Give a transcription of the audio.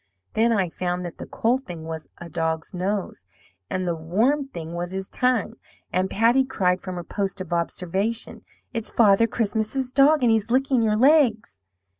Then I found that the cold thing was a dog's nose and the warm thing was his tongue; and Patty cried from her post of observation, 'It's Father Christmas's dog and he's licking your legs.'